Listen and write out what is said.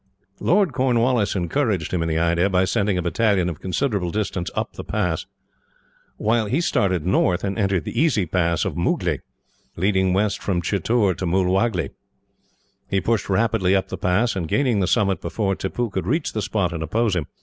Lord Cornwallis encouraged him in the idea, by sending a battalion a considerable distance up the pass; while he started north and entered the easy pass of Mooglee, leading west from Chittoor to Moolwagle. He pushed rapidly up the pass, and gained the summit before Tippoo could reach the spot and oppose him.